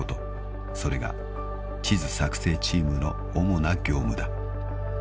［それが地図作成チームの主な業務だ］